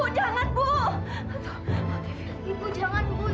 saya gimana kebanyakan fht